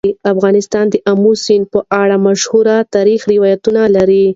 افغانستان د آمو سیند په اړه مشهور تاریخي روایتونه لري.